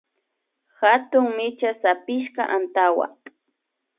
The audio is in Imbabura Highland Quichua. Hatun micha sapishka antawa